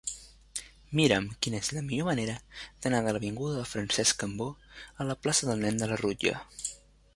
Mira'm quina és la millor manera d'anar de l'avinguda de Francesc Cambó a la plaça del Nen de la Rutlla.